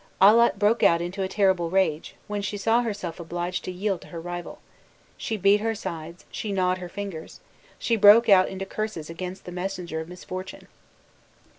'" Allat broke out into a terrible rage, when she saw herself obliged to yield to her rival; "she beat her sides, she gnawed her fingers," she broke out into curses against the messenger of misfortune.